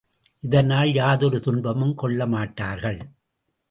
இதனால் யாதொரு துன்பமும் கொள்ளமாட்டார்கள்.